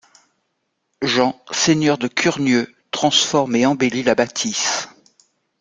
Jean, seigneur de Curnieu, transforme et embellit la bâtisse.